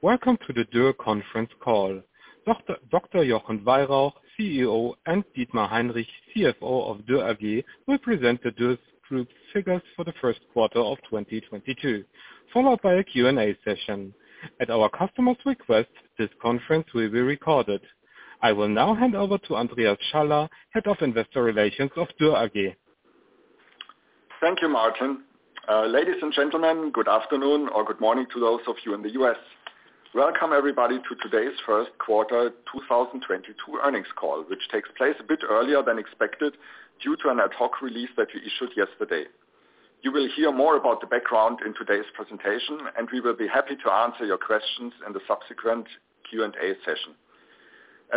Welcome to the Dürr conference call. Dr. Jochen Weyrauch, CEO, and Dietmar Heinrich, CFO of Dürr AG, will present the Dürr Group's figures for the first quarter of 2022, followed by a Q&A session. At our customer's request, this conference will be recorded. I will now hand over to Andreas Schaller, Head of Investor Relations of Dürr AG. Thank you, Martin. Ladies and gentlemen, good afternoon or good morning to those of you in the US. Welcome everybody to today's First Quarter 2022 Earnings Call, which takes place a bit earlier than expected due to an ad hoc release that we issued yesterday. You will hear more about the background in today's presentation, and we will be happy to answer your questions in the subsequent Q&A session.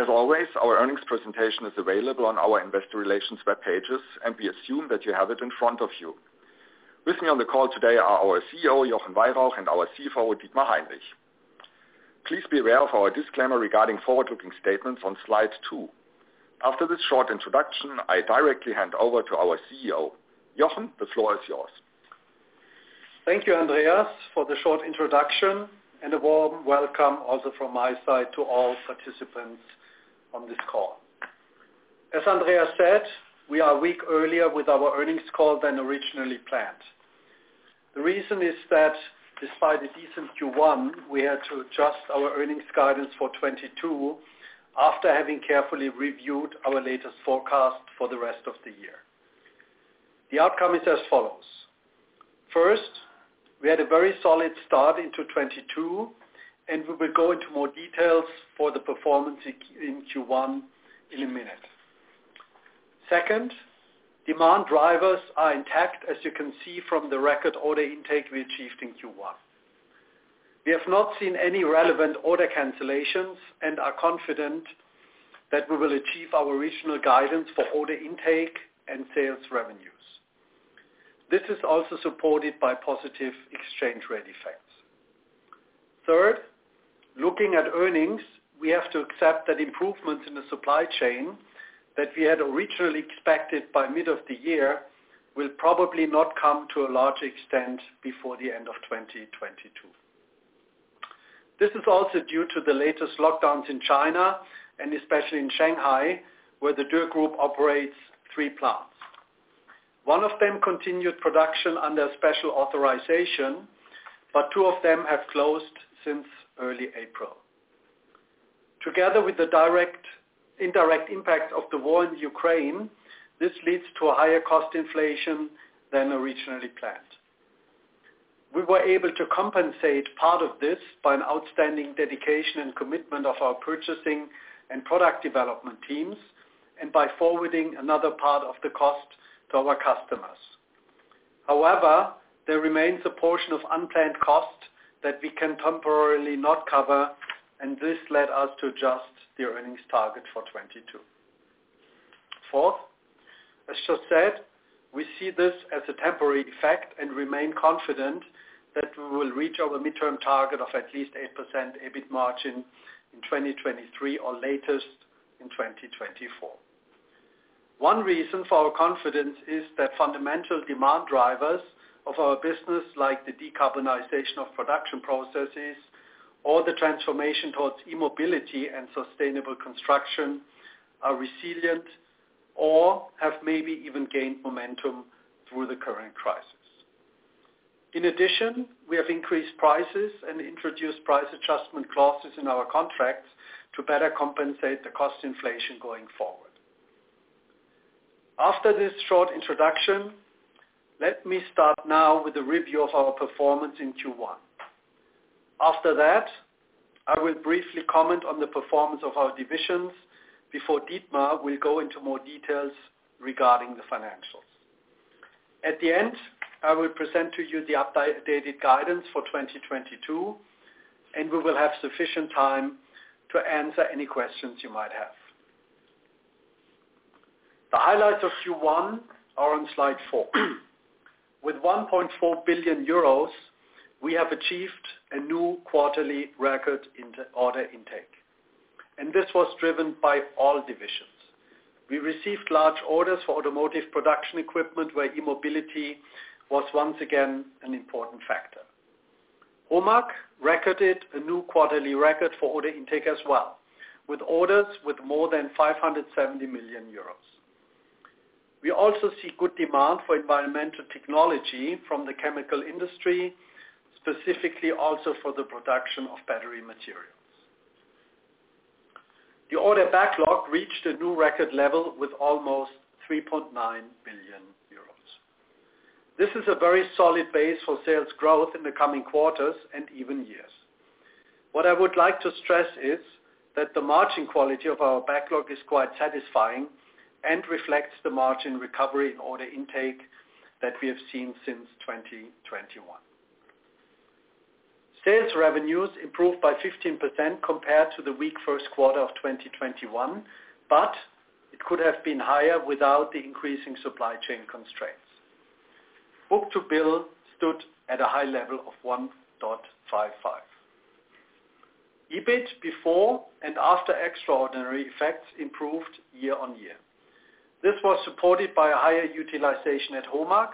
As always, our earnings presentation is available on our investor relations webpages, and we assume that you have it in front of you. With me on the call today are our CEO, Jochen Weyrauch, and our CFO, Dietmar Heinrich. Please be aware of our disclaimer regarding forward-looking statements on slide two. After this short introduction, I directly hand over to our CEO. Jochen, the floor is yours. Thank you, Andreas, for the short introduction, and a warm welcome also from my side to all participants on this call. As Andreas said, we are a week earlier with our earnings call than originally planned. The reason is that despite a decent Q1, we had to adjust our earnings guidance for 2022 after having carefully reviewed our latest forecast for the rest of the year. The outcome is as follows. First, we had a very solid start into 2022, and we will go into more details for the performance in Q1 in a minute. Second, demand drivers are intact as you can see from the record order intake we achieved in Q1. We have not seen any relevant order cancellations and are confident that we will achieve our original guidance for order intake and sales revenues. This is also supported by positive exchange rate effects. Third, looking at earnings, we have to accept that improvements in the supply chain that we had originally expected by mid of the year will probably not come to a large extent before the end of 2022. This is also due to the latest lockdowns in China, and especially in Shanghai, where the Dürr Group operates three plants. One of them continued production under special authorization, but two of them have closed since early April. Together with the indirect impact of the war in Ukraine, this leads to a higher cost inflation than originally planned. We were able to compensate part of this by an outstanding dedication and commitment of our purchasing and product development teams, and by forwarding another part of the cost to our customers. However, there remains a portion of unplanned costs that we can temporarily not cover, and this led us to adjust the earnings target for 2022. Fourth, as just said, we see this as a temporary effect and remain confident that we will reach our midterm target of at least 8% EBIT margin in 2023 or latest in 2024. One reason for our confidence is that fundamental demand drivers of our business, like the decarbonization of production processes or the transformation towards e-mobility and sustainable construction, are resilient or have maybe even gained momentum through the current crisis. In addition, we have increased prices and introduced price adjustment clauses in our contracts to better compensate the cost inflation going forward. After this short introduction, let me start now with a review of our performance in Q1. After that, I will briefly comment on the performance of our divisions before Dietmar will go into more details regarding the financials. At the end, I will present to you the updated guidance for 2022, and we will have sufficient time to answer any questions you might have. The highlights of Q1 are on slide four. With 1.4 billion euros, we have achieved a new quarterly record in the order intake, and this was driven by all divisions. We received large orders for automotive production equipment where e-mobility was once again an important factor. HOMAG recorded a new quarterly record for order intake as well, with orders with more than 570 million euros. We also see good demand for environmental technology from the chemical industry, specifically also for the production of battery materials. The order backlog reached a new record level with almost 3.9 billion euros. This is a very solid base for sales growth in the coming quarters and even years. What I would like to stress is that the margin quality of our backlog is quite satisfying and reflects the margin recovery in order intake that we have seen since 2021. Sales revenues improved by 15% compared to the weak first quarter of 2021, but it could have been higher without the increasing supply chain constraints. Book-to-bill stood at a high level of 1.55. EBIT before and after extraordinary effects improved year-on-year. This was supported by a higher utilization at HOMAG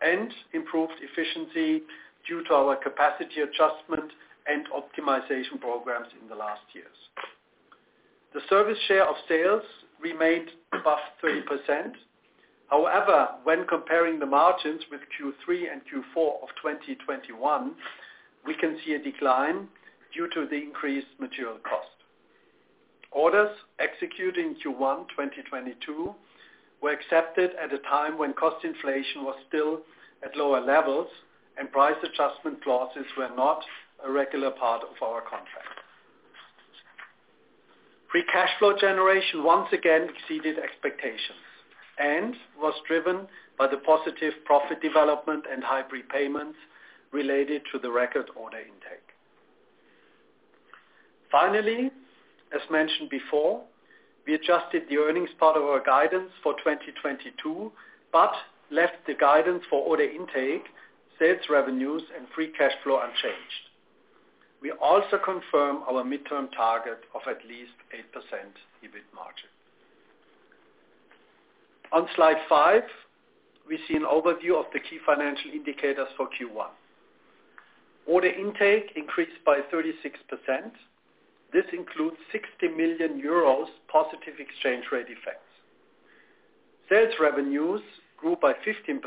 and improved efficiency due to our capacity adjustment and optimization programs in the last years. The service share of sales remained above 3%. However, when comparing the margins with Q3 and Q4 of 2021, we can see a decline due to the increased material cost. Orders executed in Q1 2022 were accepted at a time when cost inflation was still at lower levels and price adjustment clauses were not a regular part of our contract. Free cash flow generation once again exceeded expectations and was driven by the positive profit development and high prepayments related to the record order intake. Finally, as mentioned before, we adjusted the earnings part of our guidance for 2022, but left the guidance for order intake, sales revenues and free cash flow unchanged. We also confirm our midterm target of at least 8% EBIT margin. On slide five, we see an overview of the key financial indicators for Q1. Order intake increased by 36%. This includes 60 million euros positive exchange rate effects. Sales revenues grew by 15%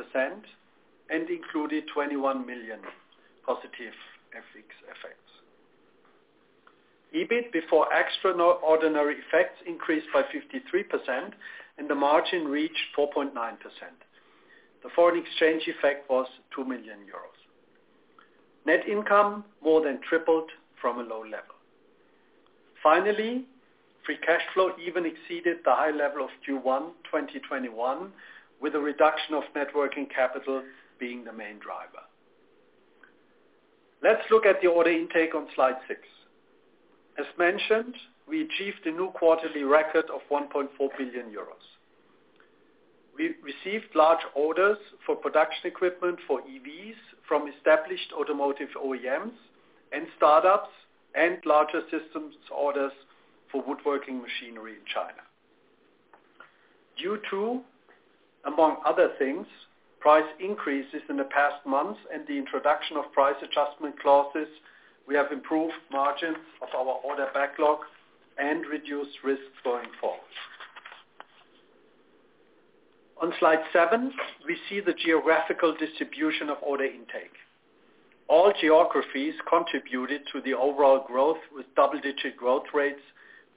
and included 21 million positive FX effects. EBIT before extraordinary effects increased by 53% and the margin reached 4.9%. The foreign exchange effect was 2 million euros. Net income more than tripled from a low level. Finally, free cash flow even exceeded the high level of Q1 2021, with a reduction of net working capital being the main driver. Let's look at the order intake on slide six. As mentioned, we achieved a new quarterly record of 1.4 billion euros. We received large orders for production equipment for EVs from established automotive OEMs and startups and larger systems orders for woodworking machinery in China. Due to, among other things, price increases in the past months and the introduction of price adjustment clauses, we have improved margins of our order backlog and reduced risks going forward. On slide seven, we see the geographical distribution of order intake. All geographies contributed to the overall growth with double-digit growth rates,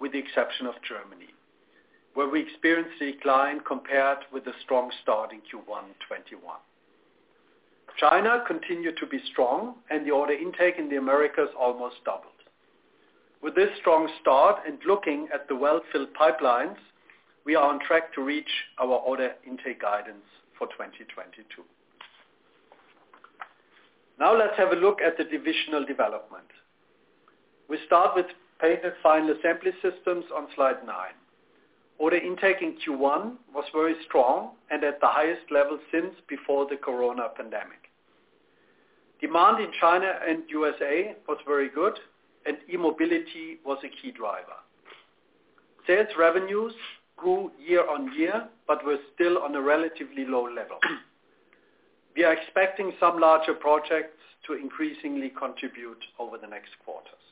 with the exception of Germany, where we experienced decline compared with the strong start in Q1 2021. China continued to be strong and the order intake in the Americas almost doubled. With this strong start and looking at the well-filled pipelines, we are on track to reach our order intake guidance for 2022. Now let's have a look at the divisional development. We start with Paint and Final Assembly Systems on slide nine. Order intake in Q1 was very strong and at the highest level since before the Corona pandemic. Demand in China and USA was very good and e-mobility was a key driver. Sales revenues grew year-on-year, but were still on a relatively low level. We are expecting some larger projects to increasingly contribute over the next quarters.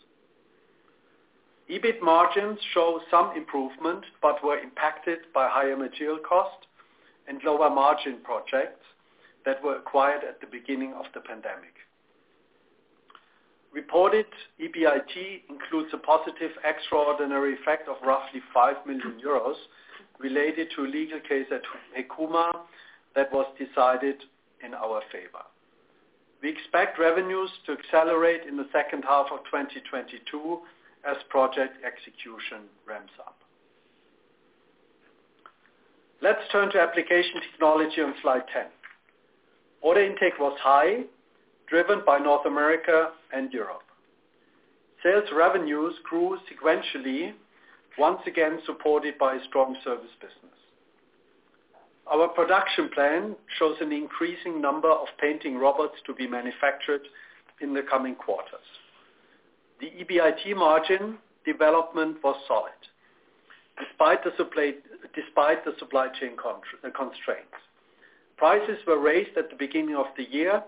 EBIT margins show some improvement, but were impacted by higher material costs and lower margin projects that were acquired at the beginning of the pandemic. Reported EBIT includes a positive extraordinary effect of roughly 5 million euros related to a legal case at Hekuma that was decided in our favor. We expect revenues to accelerate in the second half of 2022 as project execution ramps up. Let's turn to Application Technology on slide 10. Order intake was high, driven by North America and Europe. Sales revenues grew sequentially, once again supported by a strong service business. Our production plan shows an increasing number of painting robots to be manufactured in the coming quarters. The EBIT margin development was solid despite the supply chain constraints. Prices were raised at the beginning of the year.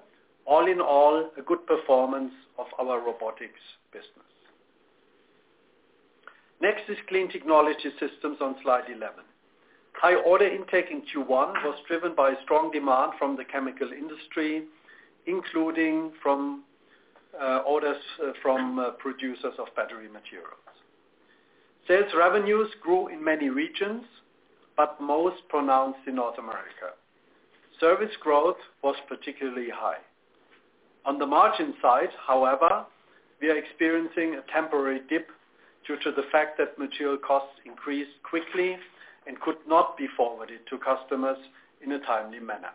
All in all, a good performance of our robotics business. Next is Clean Technology Systems on slide 11. High order intake in Q1 was driven by strong demand from the chemical industry, including from orders from producers of battery materials. Sales revenues grew in many regions, but most pronounced in North America. Service growth was particularly high. On the margin side, however, we are experiencing a temporary dip due to the fact that material costs increased quickly and could not be forwarded to customers in a timely manner.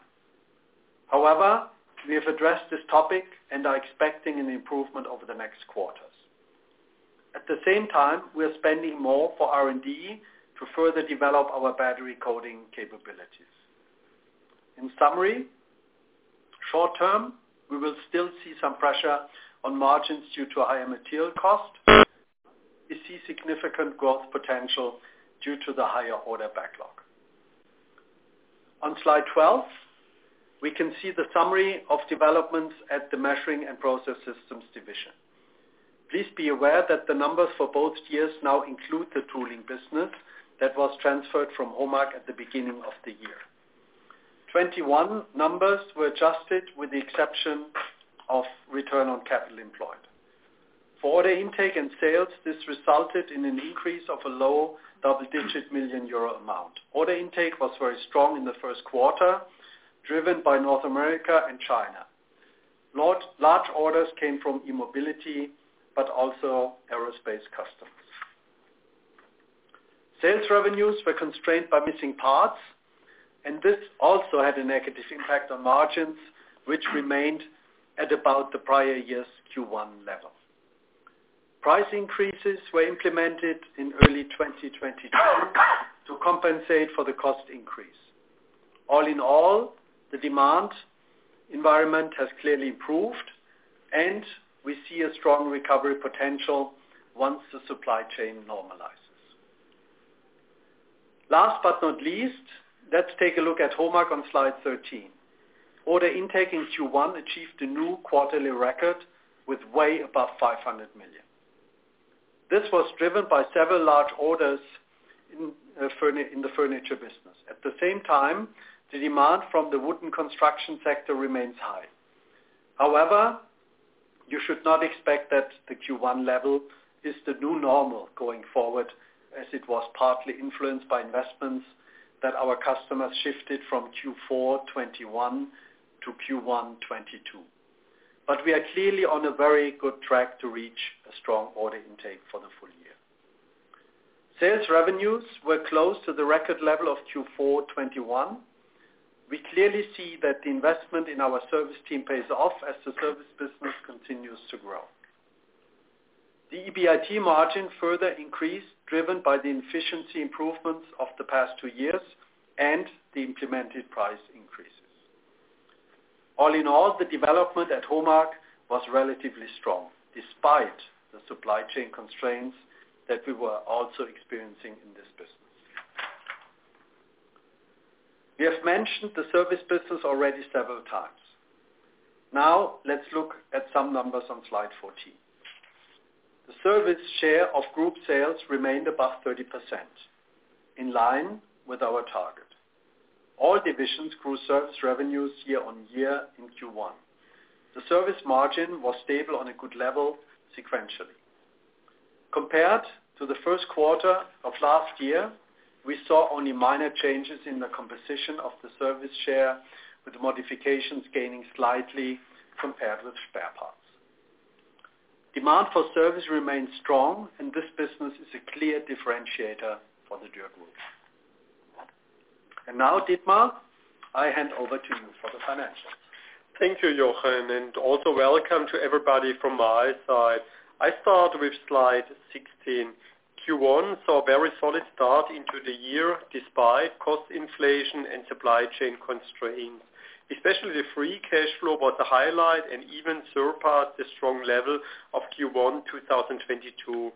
However, we have addressed this topic and are expecting an improvement over the next quarters. At the same time, we are spending more for R&D to further develop our battery coating capabilities. In summary, short term, we will still see some pressure on margins due to higher material cost. We see significant growth potential due to the higher order backlog. On slide 12, we can see the summary of developments at the Measuring and Process Systems division. Please be aware that the numbers for both years now include the tooling business that was transferred from HOMAG at the beginning of the year. 2021 numbers were adjusted with the exception of return on capital employed. For order intake and sales, this resulted in an increase of a low double-digit million euro amount. Order intake was very strong in the first quarter, driven by North America and China. Large orders came from e-mobility, but also aerospace customers. Sales revenues were constrained by missing parts, and this also had a negative impact on margins, which remained at about the prior year's Q1 level. Price increases were implemented in early 2022 to compensate for the cost increase. All in all, the demand environment has clearly improved and we see a strong recovery potential once the supply chain normalizes. Last but not least, let's take a look at HOMAG on slide 13. Order intake in Q1 achieved a new quarterly record with way above 500 million. This was driven by several large orders in the furniture business. At the same time, the demand from the wooden construction sector remains high. However, you should not expect that the Q1 level is the new normal going forward, as it was partly influenced by investments that our customers shifted from Q4 2021 to Q1 2022. We are clearly on a very good track to reach a strong order intake for the full year. Sales revenues were close to the record level of Q4 2021. We clearly see that the investment in our service team pays off as the service business continues to grow. The EBIT margin further increased, driven by the efficiency improvements of the past two years and the implemented price increases. All in all, the development at HOMAG was relatively strong, despite the supply chain constraints that we were also experiencing in this business. We have mentioned the service business already several times. Now let's look at some numbers on slide 14. The service share of group sales remained above 30% in line with our target. All divisions grew service revenues year-on-year in Q1. The service margin was stable on a good level sequentially. Compared to the first quarter of last year, we saw only minor changes in the composition of the service share, with modifications gaining slightly compared with spare parts. Demand for service remains strong, and this business is a clear differentiator for the Dürr Group. Now, Dietmar, I hand over to you for the financials. Thank you, Jochen, and also welcome to everybody from my side. I start with slide 16. Q1 saw a very solid start into the year despite cost inflation and supply chain constraints. Especially the free cash flow was the highlight and even surpassed the strong level of Q1 2022.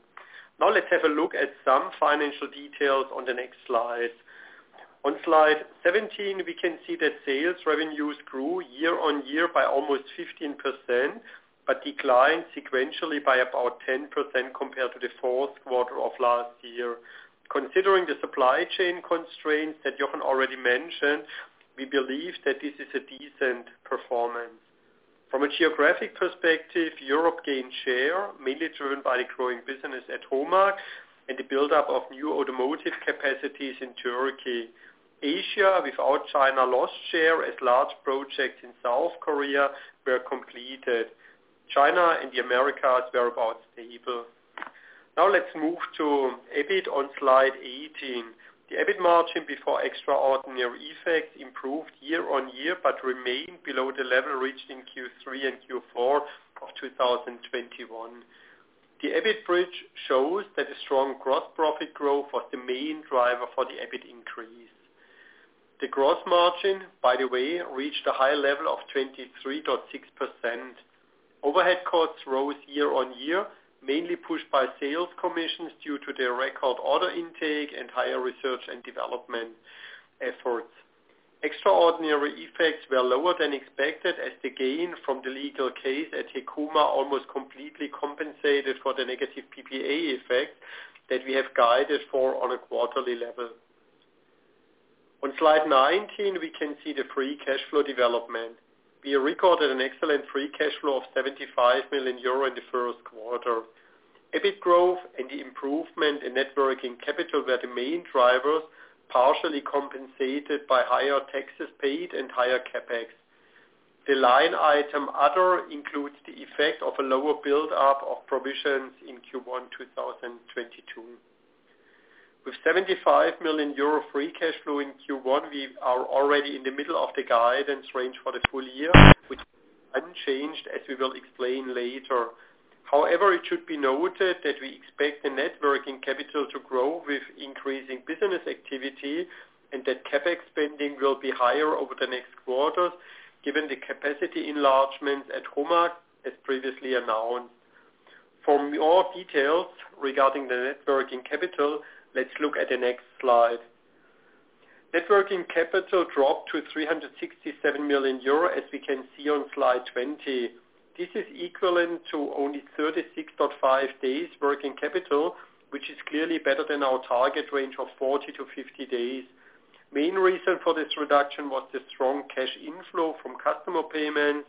Now let's have a look at some financial details on the next slide. On slide 17, we can see that sales revenues grew year-on-year by almost 15%, but declined sequentially by about 10% compared to the fourth quarter of last year. Considering the supply chain constraints that Jochen already mentioned, we believe that this is a decent performance. From a geographic perspective, Europe gained share, mainly driven by the growing business at HOMAG and the buildup of new automotive capacities in Turkey. Asia, without China, lost share as large projects in South Korea were completed. China and the Americas were about stable. Now let's move to EBIT on slide 18. The EBIT margin before extraordinary effects improved year-on-year, but remained below the level reached in Q3 and Q4 of 2021. The EBIT bridge shows that a strong gross profit growth was the main driver for the EBIT increase. The gross margin, by the way, reached a high level of 23.6%. Overhead costs rose year-on-year, mainly pushed by sales commissions due to their record order intake and higher research and development efforts. Extraordinary effects were lower than expected as the gain from the legal case at Hekuma almost completely compensated for the negative PPA effect that we have guided for on a quarterly level. On slide 19, we can see the free cash flow development. We recorded an excellent free cash flow of 75 million euro in the first quarter. EBIT growth and the improvement in net working capital were the main drivers, partially compensated by higher taxes paid and higher CapEx. The line item, other, includes the effect of a lower build-up of provisions in Q1 2022. With 75 million euro free cash flow in Q1, we are already in the middle of the guidance range for the full year. We will explain later. However, it should be noted that we expect the net working capital to grow with increasing business activity, and that CapEx spending will be higher over the next quarters, given the capacity enlargement at HOMAG, as previously announced. For more details regarding the net working capital, let's look at the next slide. Net working capital dropped to 367 million euro, as we can see on slide 20. This is equivalent to only 36.5 days working capital, which is clearly better than our target range of 40-50 days. Main reason for this reduction was the strong cash inflow from customer payments,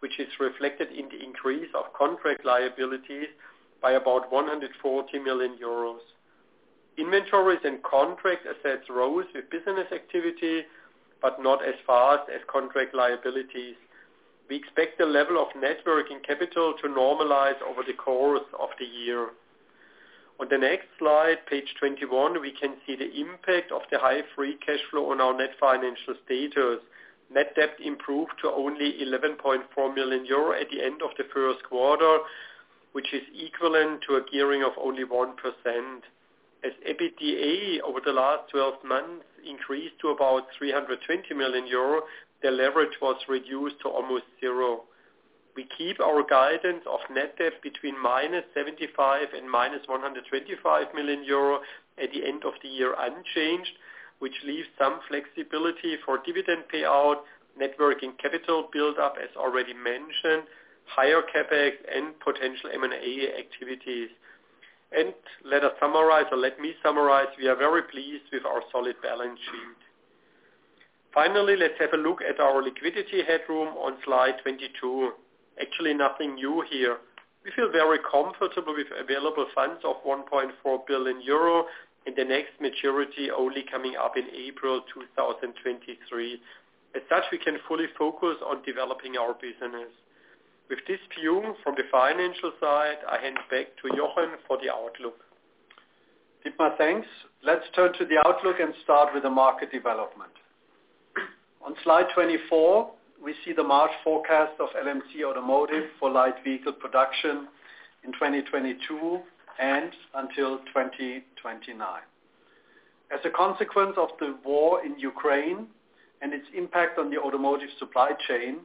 which is reflected in the increase of contract liabilities by about 140 million euros. Inventories and contract assets rose with business activity, but not as fast as contract liabilities. We expect the level of net working capital to normalize over the course of the year. On the next slide, page 21, we can see the impact of the high free cash flow on our net financial status. Net debt improved to only 11.4 million euro at the end of the first quarter, which is equivalent to a gearing of only 1%. As EBITDA over the last 12 months increased to about 320 million euro, the leverage was reduced to almost zero. We keep our guidance of net debt between -75 million and -125 million euro at the end of the year unchanged, which leaves some flexibility for dividend payout, net working capital build-up, as already mentioned, higher CapEx, and potential M&A activities. Let us summarize, or let me summarize. We are very pleased with our solid balance sheet. Finally, let's have a look at our liquidity headroom on slide 22. Actually, nothing new here. We feel very comfortable with available funds of 1.4 billion euro, and the next maturity only coming up in April 2023. As such, we can fully focus on developing our business. With this view from the financial side, I hand back to Jochen for the outlook. Dietmar, thanks. Let's turn to the outlook and start with the market development. On slide 24, we see the March forecast of LMC Automotive for light vehicle production in 2022 and until 2029. As a consequence of the war in Ukraine and its impact on the automotive supply chain,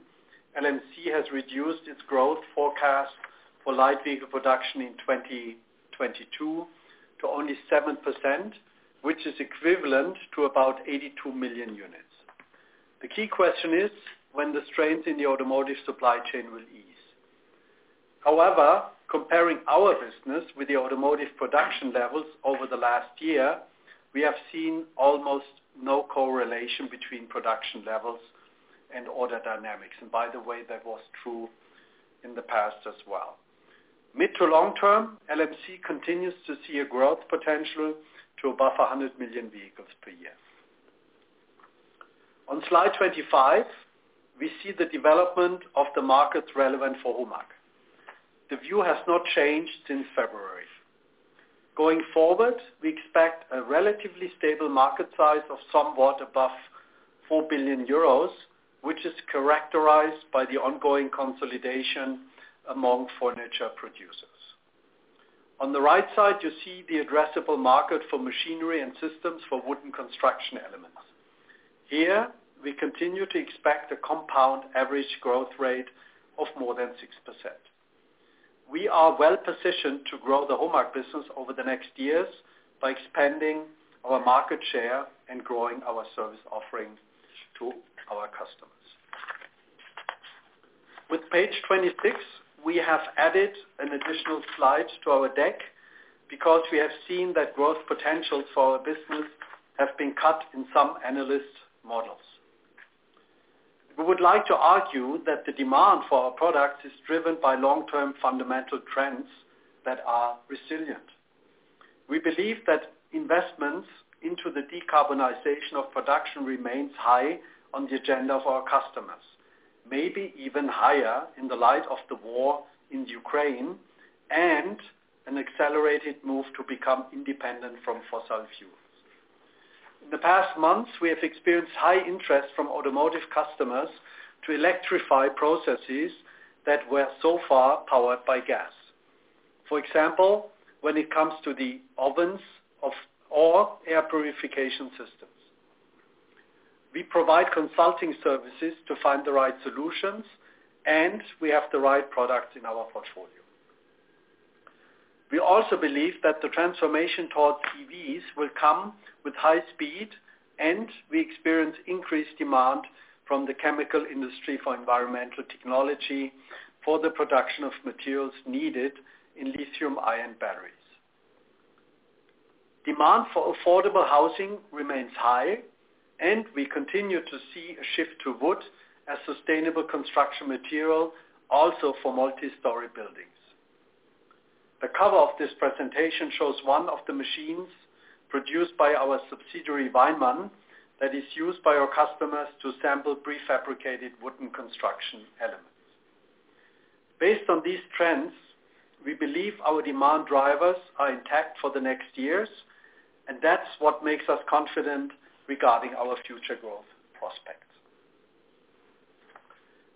LMC has reduced its growth forecast for light vehicle production in 2022 to only 7%, which is equivalent to about 82 million units. The key question is, when the strains in the automotive supply chain will ease? However, comparing our business with the automotive production levels over the last year, we have seen almost no correlation between production levels and order dynamics. By the way, that was true in the past as well. Mid to long term, LMC continues to see a growth potential to above 100 million vehicles per year. On slide 25, we see the development of the markets relevant for HOMAG. The view has not changed since February. Going forward, we expect a relatively stable market size of somewhat above 4 billion euros, which is characterized by the ongoing consolidation among furniture producers. On the right side, you see the addressable market for machinery and systems for wooden construction elements. Here, we continue to expect a compound average growth rate of more than 6%. We are well-positioned to grow the HOMAG business over the next years by expanding our market share and growing our service offering to our customers. With page 26, we have added an additional slide to our deck because we have seen that growth potentials for our business have been cut in some analyst models. We would like to argue that the demand for our product is driven by long-term fundamental trends that are resilient. We believe that investments into the decarbonization of production remains high on the agenda of our customers, maybe even higher in the light of the war in Ukraine and an accelerated move to become independent from fossil fuels. In the past months, we have experienced high interest from automotive customers to electrify processes that were so far powered by gas. For example, when it comes to the ovens or air purification systems. We provide consulting services to find the right solutions, and we have the right products in our portfolio. We also believe that the transformation towards EVs will come with high speed, and we experience increased demand from the chemical industry for environmental technology for the production of materials needed in lithium-ion batteries. Demand for affordable housing remains high, and we continue to see a shift to wood as sustainable construction material, also for multi-story buildings. The cover of this presentation shows one of the machines produced by our subsidiary, WEINMANN, that is used by our customers to assemble prefabricated wooden construction elements. Based on these trends, we believe our demand drivers are intact for the next years, and that's what makes us confident regarding our future growth prospects.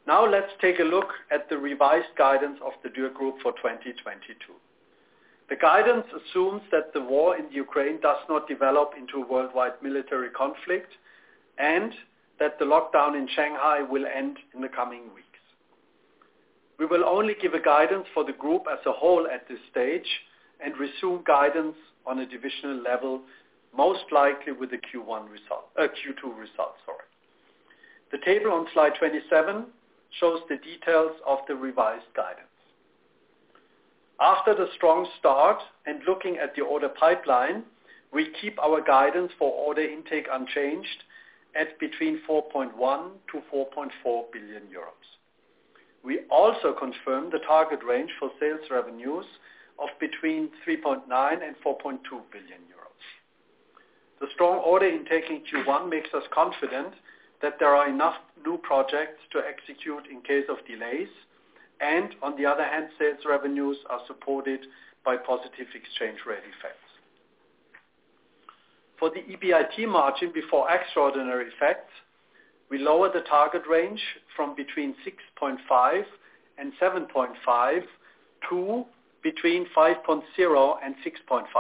Now let's take a look at the revised guidance of the Dürr Group for 2022. The guidance assumes that the war in Ukraine does not develop into a worldwide military conflict and that the lockdown in Shanghai will end in the coming weeks. We will only give a guidance for the group as a whole at this stage and resume guidance on a divisional level, most likely with the Q2 results, sorry. The table on slide 27 shows the details of the revised guidance. After the strong start and looking at the order pipeline, we keep our guidance for order intake unchanged at between 4.1 billion-4.4 billion euros. We also confirm the target range for sales revenues of between 3.9 billion-4.2 billion euros. The strong order intake in Q1 makes us confident that there are enough new projects to execute in case of delays. On the other hand, sales revenues are supported by positive exchange rate effects. For the EBIT margin before extraordinary effects, we lower the target range from between 6.5% and 7.5% to between 5.0% and 6.5%.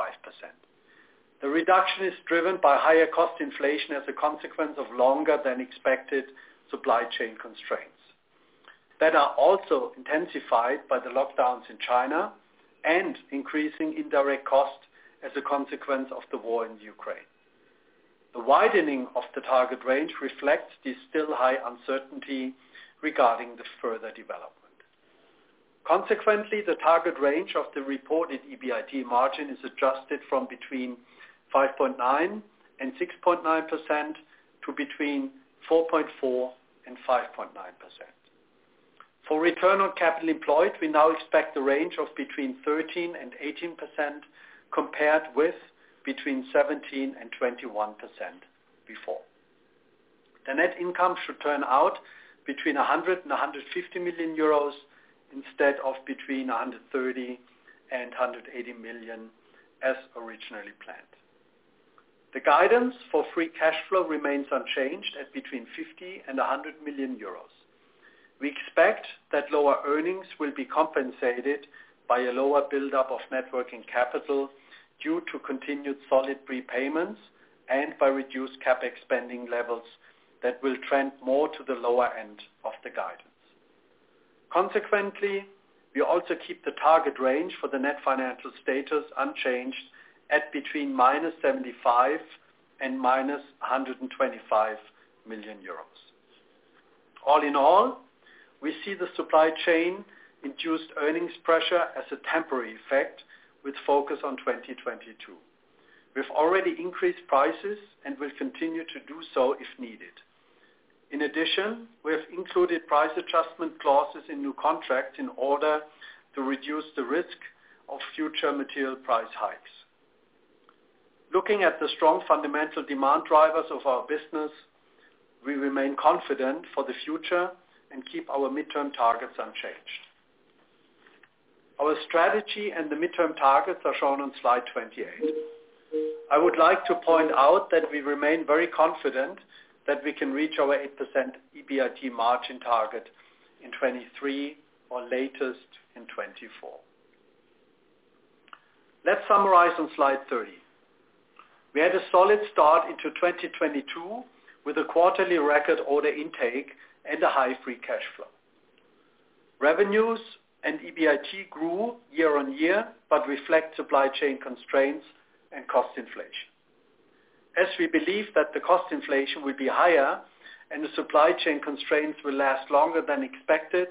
The reduction is driven by higher cost inflation as a consequence of longer than expected supply chain constraints that are also intensified by the lockdowns in China and increasing indirect costs as a consequence of the war in Ukraine. The widening of the target range reflects the still high uncertainty regarding the further development. Consequently, the target range of the reported EBIT margin is adjusted from between 5.9% and 6.9% to between 4.4% and 5.9%. For return on capital employed, we now expect the range of between 13% and 18% compared with between 17% and 21% before. The net income should turn out between 100 million and 150 million euros instead of between 130 million and 180 million as originally planned. The guidance for free cash flow remains unchanged at between 50 million and 100 million euros. We expect that lower earnings will be compensated by a lower buildup of net working capital due to continued solid prepayments and by reduced CapEx spending levels that will trend more to the lower end of the guidance. Consequently, we also keep the target range for the net financial status unchanged at between -75 million and -125 million euros. All in all, we see the supply chain induced earnings pressure as a temporary effect with focus on 2022. We've already increased prices and will continue to do so if needed. In addition, we have included price adjustment clauses in new contracts in order to reduce the risk of future material price hikes. Looking at the strong fundamental demand drivers of our business, we remain confident for the future and keep our midterm targets unchanged. Our strategy and the midterm targets are shown on slide 28. I would like to point out that we remain very confident that we can reach our 8% EBIT margin target in 2023 or latest in 2024. Let's summarize on slide 30. We had a solid start into 2022 with a quarterly record order intake and a high free cash flow. Revenues and EBIT grew year on year but reflect supply chain constraints and cost inflation. As we believe that the cost inflation will be higher and the supply chain constraints will last longer than expected,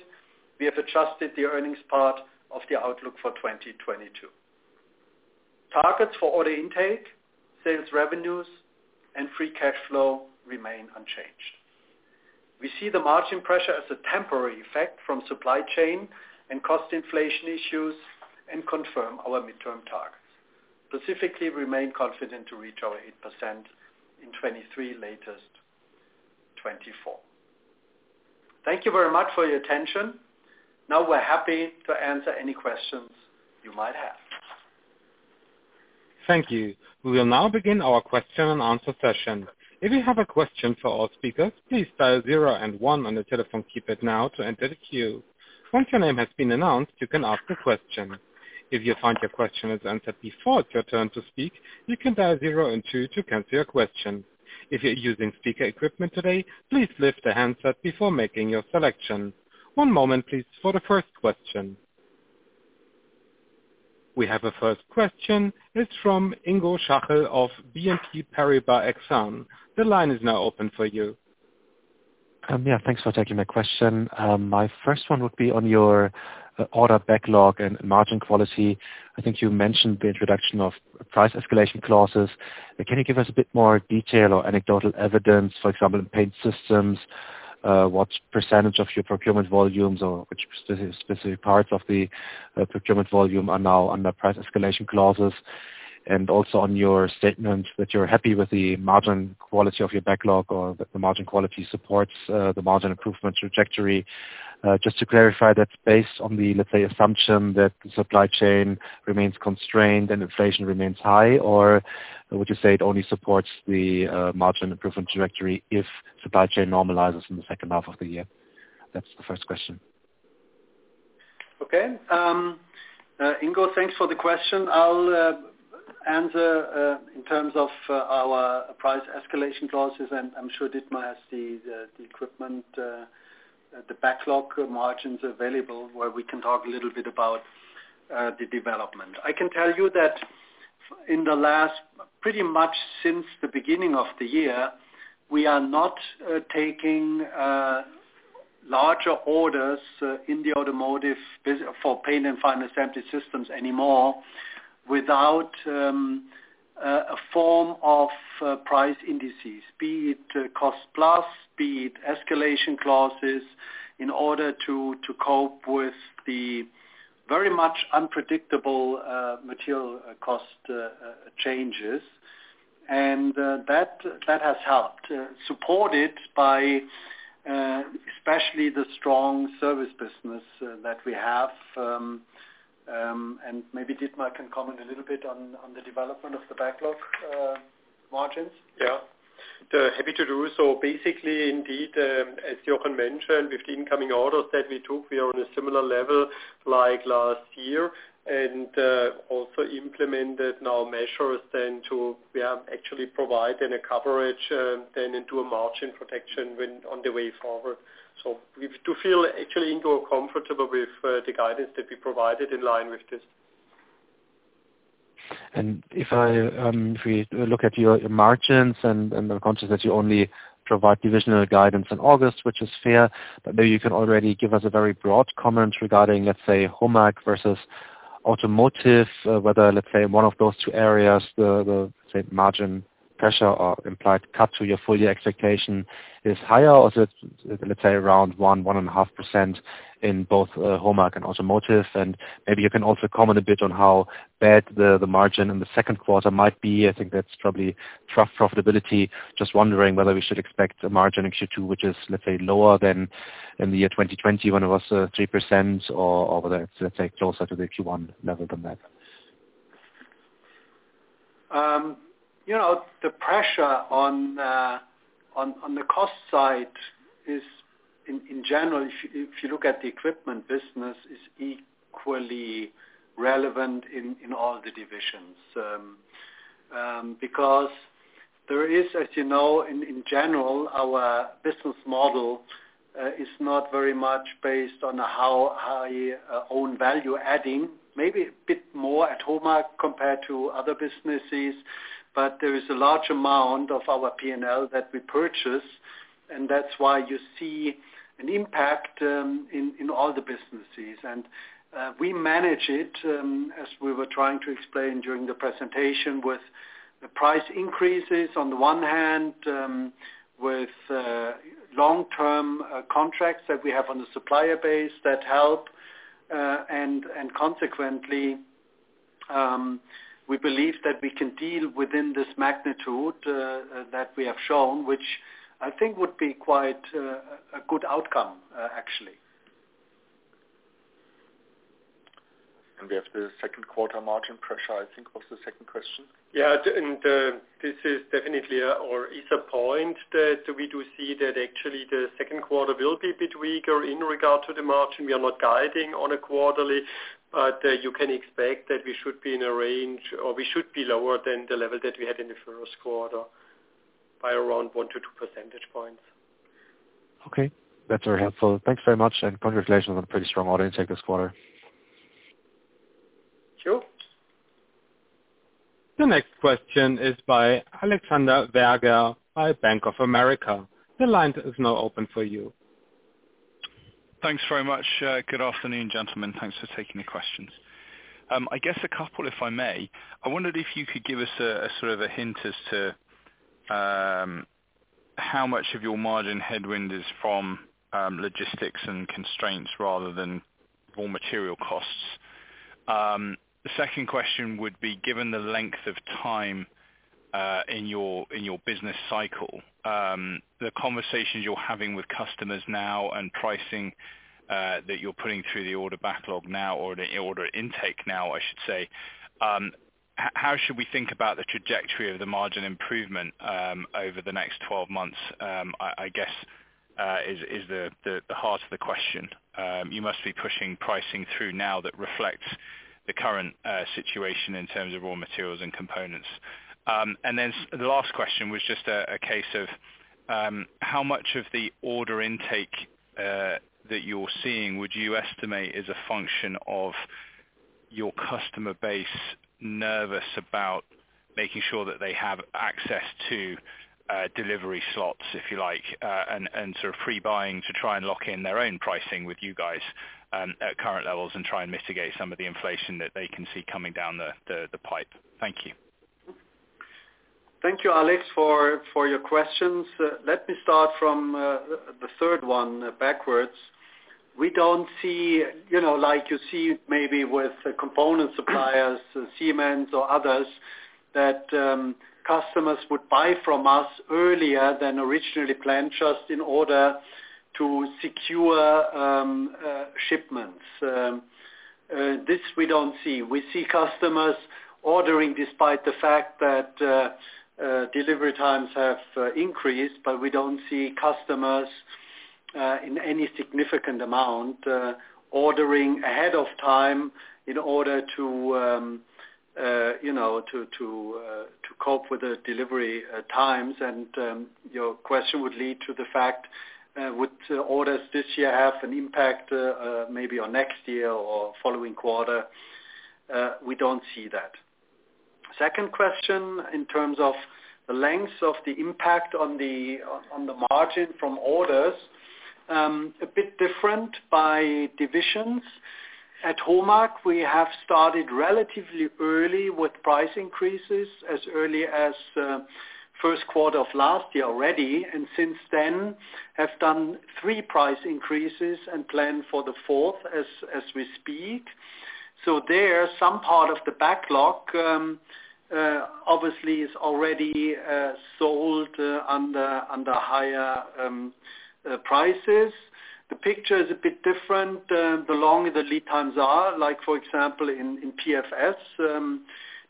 we have adjusted the earnings part of the outlook for 2022. Targets for order intake, sales revenues, and free cash flow remain unchanged. We see the margin pressure as a temporary effect from supply chain and cost inflation issues and confirm our midterm targets. Specifically, remain confident to reach our 8% in 2023, latest 2024. Thank you very much for your attention. Now we're happy to answer any questions you might have. Thank you. We will now begin our question and answer session. If you have a question for our speakers, please dial zero and one on your telephone keypad now to enter the queue. Once your name has been announced, you can ask a question. If you find your question is answered before it's your turn to speak, you can dial zero and two to cancel your question. If you're using speaker equipment today, please lift the handset before making your selection. One moment, please, for the first question. We have a first question. It's from Ingo Schachel of BNP Paribas Exane. The line is now open for you. Yeah, thanks for taking my question. My first one would be on your order backlog and margin quality. I think you mentioned the introduction of price escalation clauses. Can you give us a bit more detail or anecdotal evidence, for example, in paint systems, what percentage of your procurement volumes or which specific parts of the procurement volume are now under price escalation clauses? Also on your statement that you're happy with the margin quality of your backlog or that the margin quality supports the margin improvement trajectory. Just to clarify that's based on the, let's say, assumption that the supply chain remains constrained and inflation remains high or would you say it only supports the margin improvement trajectory if supply chain normalizes in the second half of the year? That's the first question. Okay. Ingo, thanks for the question. I'll answer in terms of our price escalation clauses, and I'm sure Dietmar has the equipment, the backlog margins available, where we can talk a little bit about the development. I can tell you that in the last, pretty much since the beginning of the year, we are not taking larger orders in the automotive for Paint and Final Assembly Systems anymore without a form of price indices, be it cost plus, be it escalation clauses, in order to cope with the very much unpredictable material cost changes. That has helped, supported by especially the strong service business that we have. Maybe Dietmar can comment a little bit on the development of the backlog, margins. Yeah. Happy to do so. Basically, indeed, as Jochen mentioned, with the incoming orders that we took, we are on a similar level like last year, and also implemented now measures to actually provide a coverage into a margin protection going forward. We do feel actually, Ingo, comfortable with the guidance that we provided in line with this. If we look at your margins, and I'm conscious that you only provide divisional guidance in August, which is fair, but maybe you can already give us a very broad comment regarding, let's say, HOMAG versus automotive, whether, let's say, one of those two areas, the say, margin pressure or implied cut to your full year expectation is higher or is it, let's say, around 1%-1.5% in both HOMAG and automotive. Maybe you can also comment a bit on how bad the margin in the second quarter might be. I think that's probably true profitability. Just wondering whether we should expect a margin in Q2 which is, let's say, lower than in the year 2020 when it was 3% or whether it's, let's say, closer to the Q1 level than that. You know, the pressure on the cost side is in general, if you look at the equipment business, equally relevant in all the divisions. Because there is, as you know, in general, our business model is not very much based on how high own value adding, maybe a bit more at HOMAG compared to other businesses. There is a large amount of our P&L that we purchase, and that's why you see an impact in all the businesses. We manage it, as we were trying to explain during the presentation, with the price increases on the one hand, with long-term contracts that we have on the supplier base that help. Consequently, we believe that we can deal within this magnitude that we have shown, which I think would be quite a good outcome, actually. We have the second quarter margin pressure, I think, was the second question. Yeah. This is definitely, or is a point that we do see that actually the second quarter will be a bit weaker in regard to the margin. We are not guiding on a quarterly, but you can expect that we should be in a range or we should be lower than the level that we had in the first quarter by around 1-2 percentage points. Okay. That's very helpful. Thanks very much, and congratulations on a pretty strong order intake this quarter. Sure. The next question is by Alexander Virgo by Bank of America. The line is now open for you. Thanks very much. Good afternoon, gentlemen. Thanks for taking the questions. I guess a couple, if I may. I wondered if you could give us a sort of a hint as to how much of your margin headwind is from logistics and constraints rather than raw material costs. The second question would be, given the length of time in your business cycle, the conversations you're having with customers now and pricing that you're putting through the order backlog now or the order intake now, I should say, how should we think about the trajectory of the margin improvement over the next 12 months, I guess, is the heart of the question. You must be pushing pricing through now that reflects the current situation in terms of raw materials and components. The last question was just a case of how much of the order intake that you're seeing would you estimate is a function of your customer base nervous about making sure that they have access to delivery slots, if you like, and sort of pre-buying to try and lock in their own pricing with you guys at current levels and try and mitigate some of the inflation that they can see coming down the pipe? Thank you. Thank you, Alex, for your questions. Let me start from the third one backwards. We don't see, you know, like you see maybe with component suppliers, Siemens or others, that customers would buy from us earlier than originally planned just in order to secure shipments. This we don't see. We see customers ordering despite the fact that delivery times have increased, but we don't see customers in any significant amount ordering ahead of time in order to, you know, to cope with the delivery times. Your question would lead to the fact, would orders this year have an impact, maybe on next year or following quarter? We don't see that. Second question, in terms of the length of the impact on the margin from orders, a bit different by divisions. At HOMAG, we have started relatively early with price increases as early as first quarter of last year already, and since then have done three price increases and plan for the fourth as we speak. There, some part of the backlog obviously is already sold under higher prices. The picture is a bit different, the longer the lead times are, like for example, in PFS.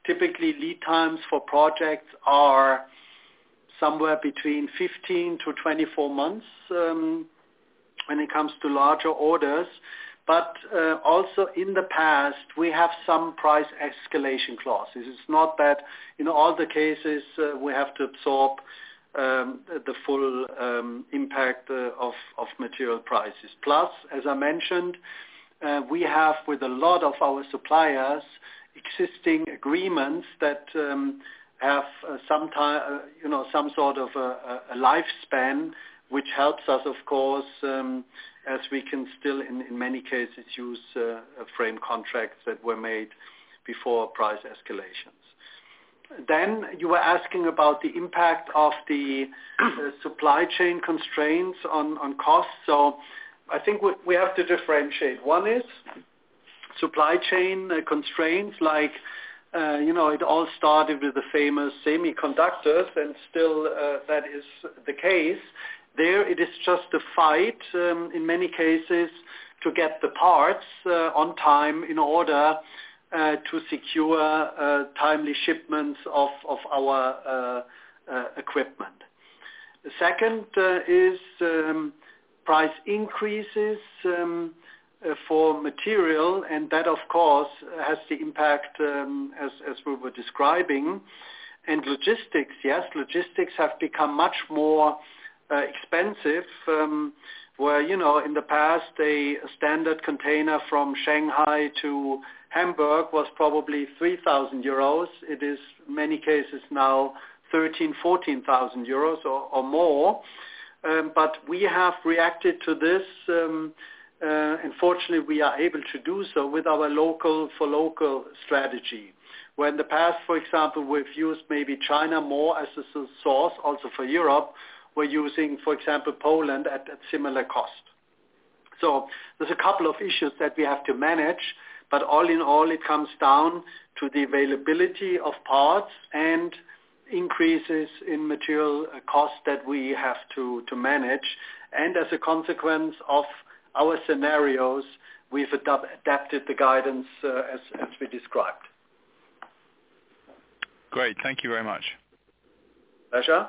Typically, lead times for projects are somewhere between 15-24 months, when it comes to larger orders. Also in the past, we have some price escalation clauses. It's not that in all the cases we have to absorb the full impact of material prices. Plus, as I mentioned, we have with a lot of our suppliers existing agreements that have you know, some sort of a lifespan, which helps us, of course, as we can still in many cases use frame contracts that were made before price escalations. You were asking about the impact of the supply chain constraints on costs. I think we have to differentiate. One is supply chain constraints like you know, it all started with the famous semiconductors, and still that is the case. There it is just a fight in many cases to get the parts on time in order to secure timely shipments of our equipment. The second is price increases for material. That, of course, has the impact as we were describing. Logistics, yes, logistics have become much more expensive, where, you know, in the past, a standard container from Shanghai to Hamburg was probably 3,000 euros. It is in many cases now 13,000-14,000 euros or more. We have reacted to this, and fortunately, we are able to do so with our local for local strategy. Where in the past, for example, we've used maybe China more as a source also for Europe, we're using, for example, Poland at similar cost. There's a couple of issues that we have to manage, but all in all, it comes down to the availability of parts and increases in material costs that we have to manage. As a consequence of our scenarios, we've adapted the guidance, as we described. Great. Thank you very much. Pleasure.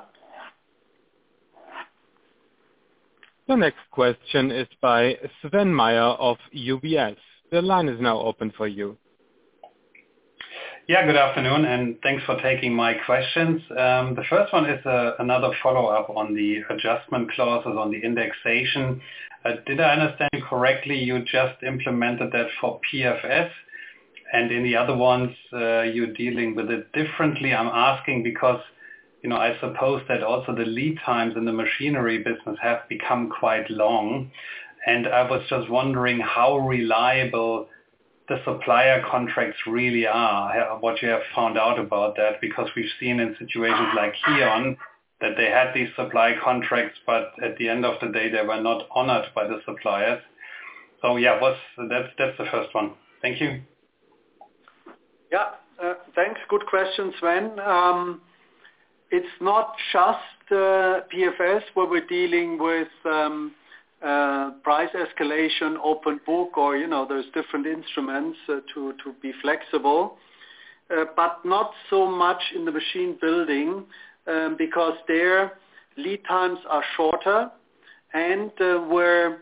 The next question is by Sven Weier of UBS. The line is now open for you. Yeah, good afternoon, and thanks for taking my questions. The first one is another follow-up on the adjustment clauses on the indexation. Did I understand correctly, you just implemented that for PFS and in the other ones, you're dealing with it differently? I'm asking because, you know, I suppose that also the lead times in the machinery business have become quite long. I was just wondering how reliable the supplier contracts really are, what you have found out about that, because we've seen in situations like here on that they had these supply contracts, but at the end of the day, they were not honored by the suppliers. That's the first one. Thank you. Yeah, thanks. Good question, Sven. It's not just PFS, where we're dealing with price escalation, open book or, you know, there's different instruments to be flexible. But not so much in the machine building, because their lead times are shorter and we're